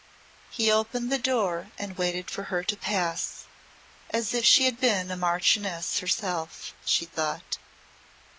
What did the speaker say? He opened the door and waited for her to pass as if she had been a marchioness herself, she thought.